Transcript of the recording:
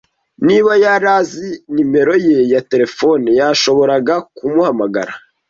Niba yari azi nimero ye ya terefone, yashoboraga kumuhamagara.